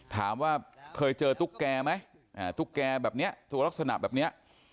ถามว่าเคยเจอตุ๊กแกไหมตุ๊กแกแบบนี้ตัวลักษณะแบบนี้